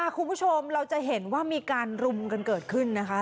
คุณผู้ชมเราจะเห็นว่ามีการรุมกันเกิดขึ้นนะคะ